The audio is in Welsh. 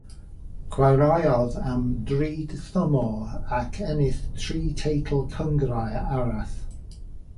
Chwaraeodd am dri thymor, ac ennill tri teitl cynghrair arall.